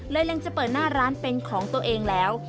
เล็งจะเปิดหน้าร้านเป็นของตัวเองแล้ว